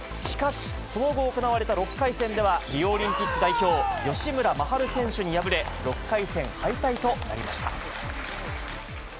しかし、その後行われた６回戦では、リオオリンピック代表、吉村真晴選手に敗れ、６回戦敗退となりました。